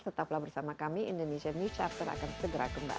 tetaplah bersama kami indonesia news chapter akan segera kembali